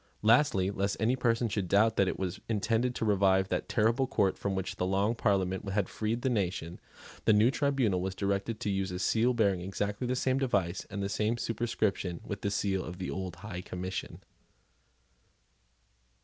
Lastly, lest any person should doubt that it was intended to revive that terrible court from which the Long Parliament had freed the nation, the new tribunal was directed to use a seal bearing exactly the same device and the same superscription with the seal of the old High Commission.